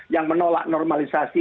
yang menolak normalisasi